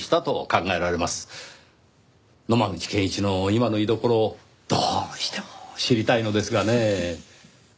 野間口健一の今の居所をどうしても知りたいのですがねぇ。